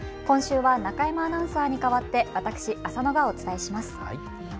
今週は中山アナウンサーに代わって私、浅野がお伝えします。